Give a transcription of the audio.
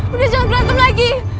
udis jangan berantem lagi